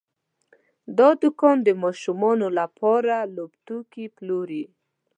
دا دوکان د ماشومانو لپاره لوبتکي پلوري.